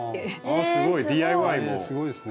あすごいＤＩＹ。